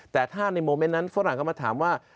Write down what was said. แต่ถ้าในโมเมนต์นั้นฝรั่งก็มาถามว่า